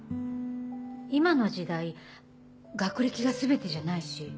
今の時代学歴が全てじゃないし。